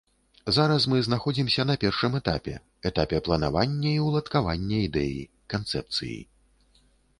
Зараз мы знаходзімся на першым этапе, этапе планавання і ўладкавання ідэі, канцэпцыі.